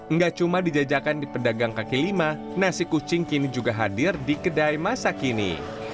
nggak cuma dijajakan di pedagang kaki lima nasi kucing kini juga hadir di kedai masa kini